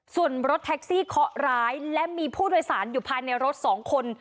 ส่วนรถแท็กซี่เคาะร้ายและมีผู้โดยสารอยู่ภายในรถ๒คน